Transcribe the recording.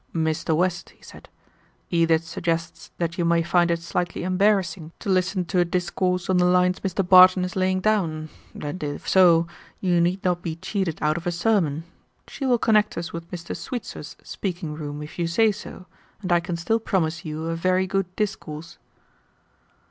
"Mr. West," he said, "Edith suggests that you may find it slightly embarrassing to listen to a discourse on the lines Mr. Barton is laying down, and if so, you need not be cheated out of a sermon. She will connect us with Mr. Sweetser's speaking room if you say so, and I can still promise you a very good discourse."